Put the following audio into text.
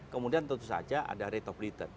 kemudian tentu saja ada rate of return